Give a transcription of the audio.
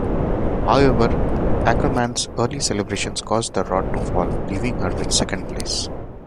However, Ackermann's early celebrations caused the rod to fall, leaving her with second place.